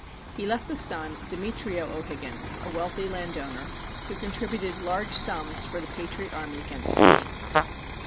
He left a son, Demetrio O'Higgins, a wealthy land owner, who contributed large sums for the patriot army against Spain.